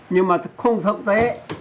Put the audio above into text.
nhưng mà không xấu tế